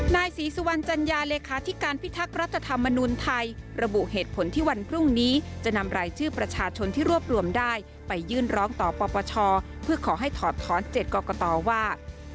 นายศรีสุวรรณจัญญาเลขาธิการพิทักษ์รัฐธรรมนุนไทยระบุเหตุผลที่วันพรุ่งนี้จะนำรายชื่อประชาชนที่รวบรวมได้ไปยื่นร้องต่อปปชเพื่อขอให้ถอดถอน๗กรกตว่า